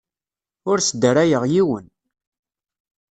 Ur sdarayeɣ yiwen.